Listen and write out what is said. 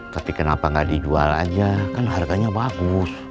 tapi kenapa nggak dijual aja kan harganya bagus